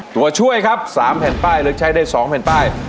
ตัวช่วยครับ๓แผ่นป้ายเลือกใช้ได้๒แผ่นป้าย